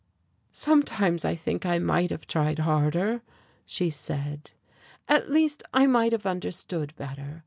"Sometimes I think I might have tried harder," she said. "At least I might have understood better.